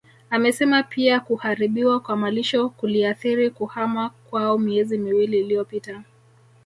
Amesema pia kuharibiwa kwa malisho kuliathiri kuhama kwao miezi miwili iliyopita